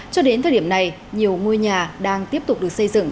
cho đến thời điểm này nhiều ngôi nhà đang tiếp tục được xây dựng